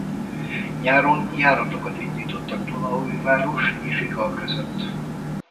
Nyáron járatokat indítottak Dunaújváros és Igal között.